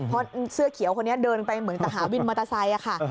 เพราะเสื้อเขียวคนนี้เดินไปเหมือนจะหาวินมอเตอร์ไซค์ค่ะ